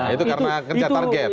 itu karena kerja target